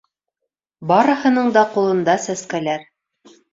Барыһының да ҡулында сәскәләр.